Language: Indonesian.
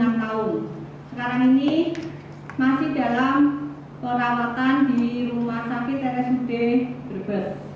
sekarang ini masih dalam perawatan di rumah sakit rsud brebes